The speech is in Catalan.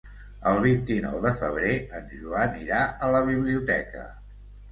El vint-i-nou de febrer en Joan irà a la biblioteca.